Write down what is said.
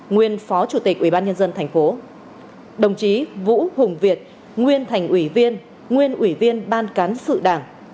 nguyên phó chủ tịch ubnd tp đồng chí vũ hùng việt nguyên thành ủy viên nguyên ủy viên ban cán sự đảng